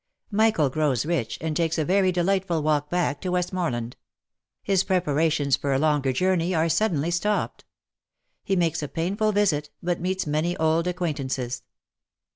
MICHAEL GROWS RICH, AND TAKES A VERY DELIGHTFUL WALK BACK TO WESTMORLAND HIS PREPARATIONS FOR A LONGER JOURNEY ARE SUDDENLY STOPPED HE MAKES A PAINFUL VISIT, BUT MEETS MANY OLD ACQUAINTANCES.